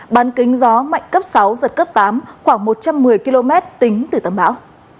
bán kính gió mạnh cấp sáu giật cấp tám khoảng một trăm một mươi km tính từ tâm bão